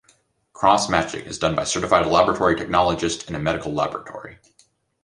Cross-matching is done by a certified laboratory technologist in a medical laboratory.